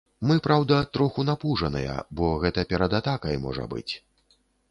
Мы, праўда, троху напружаныя, бо гэта перад атакай можа быць.